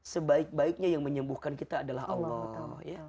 sebaik baiknya yang menyembuhkan kita adalah allah